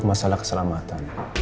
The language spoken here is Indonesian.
nggak ada sisa